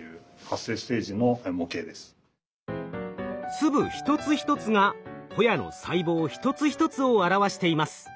粒一つ一つがホヤの細胞一つ一つを表しています。